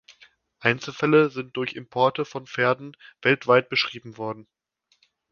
Einzelfälle sind durch Importe von Pferden weltweit beschrieben worden.